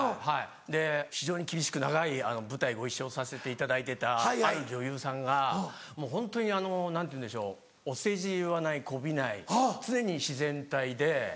で非常に厳しく長い舞台ご一緒させていただいてたある女優さんがもうホントに何ていうんでしょうお世辞言わないこびない常に自然体で。